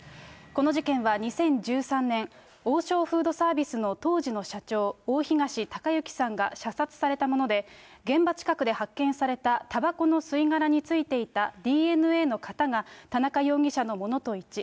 この事件は２０１３年、王将フードサービスの当時の社長、大東隆行さんが射殺されたもので、現場近くで発見されたたばこの吸い殻についていたＤＮＡの型が、田中容疑者のものと一致。